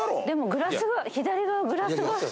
でもグラスが左側グラスが。